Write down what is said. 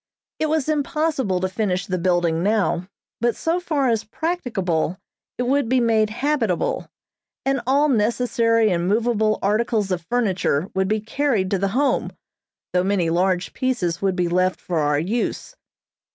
It was impossible to finish the building now, but so far as practicable it would be made habitable, and all necessary and movable articles of furniture would be carried to the Home, though many large pieces would be left for our use.